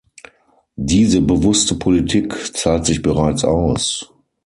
Diese bewusste Politik zahlt sich bereits aus.